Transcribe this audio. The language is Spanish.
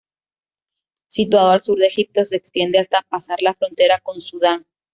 Situado al sur de Egipto, se extiende hasta pasar la frontera con Sudán.